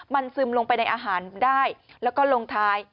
มันซึมลงไปในอาหารได้แล้วก็ลงท้าย